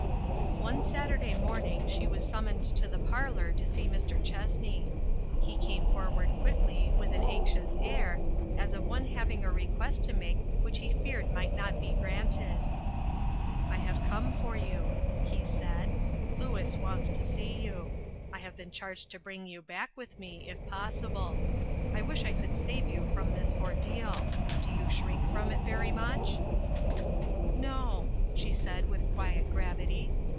One Saturday morning she was summoned to the parlor to see Mr. Chessney. He came forward quickly, with an anxious air, as of one having a request to make which he feared might not be granted. "I have come for you," he said. "Louis wants to see you. I have been charged to bring you back with me, if possible. I wish I could save you fron this ordeal. Do yon shrink from it very much?" AN ESCAPED VICTIM. 403 " No," she said with quiet gravity.